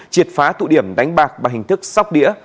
triệt phá tụ điểm đánh bạc bằng hình thức sóc đĩa